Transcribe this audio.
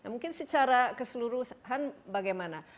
mungkin secara keseluruhan bagaimana